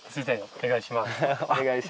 お願いします。